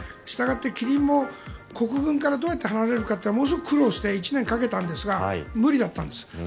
したがってキリンも国軍からどうやって離れるかってものすごく苦労して１年かけたんですが無理だったんです。